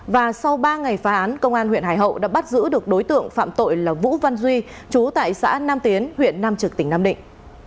và sau ba ngày phá án công an huyện hải hậu đã bắt giữ được đối tượng phạm tội là vũ văn duy chú tại xã nam tiến huyện nam trực tỉnh nam định